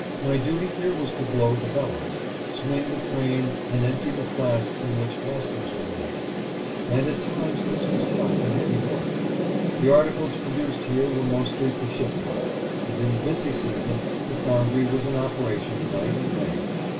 My duty here was to blow the bellows, swing the crane and empty the flasks in which castings were made ; and at times this was hot and heavy work. The articles produced here were mostly for ship work, and in the busy season the foundry was in operation night and day.